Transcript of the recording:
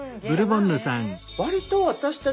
割と私たち